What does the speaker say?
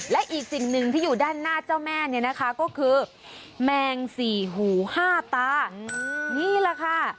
และอีกสิ่งหนึ่งที่อยู่ด้านหน้าเจ้าแม่เนี่ยนะคะก็คือแมงสี่หูห้าตานี่แหละค่ะ